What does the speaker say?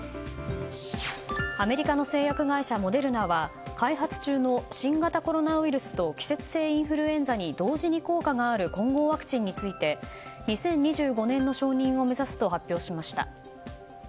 アメリカの製薬会社モデルナは開発中の新型コロナウイルスと季節性インフルエンザに同時に効果がある混合ワクチンについて２０２５年の承認を目指すと発表しました。